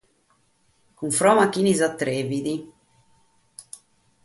Cunforma a chie s'atrivit.